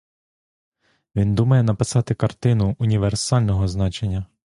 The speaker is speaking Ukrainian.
Він думає написати картину універсального значення.